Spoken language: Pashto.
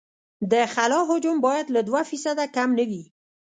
د خلا حجم باید له دوه فیصده کم نه وي